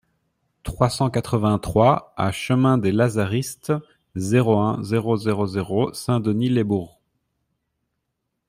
trois cent quatre-vingt-trois A chemin des Lazaristes, zéro un, zéro zéro zéro Saint-Denis-lès-Bourg